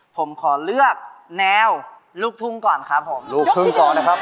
ผมขอเลือกแนวลูกทุ่งก่อนครับผมลูกทุ่งก่อนนะครับ